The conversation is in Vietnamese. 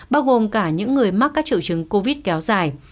bao gồm cả những người mắc các triệu chứng covid kéo dài